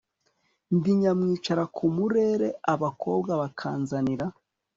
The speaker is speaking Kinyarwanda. ndi nyamwicara ku murere abakobwa bakanzanira